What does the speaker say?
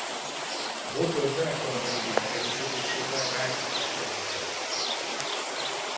Waters zenekaron belüli megerősödésével Wright hatása egyre csökkent.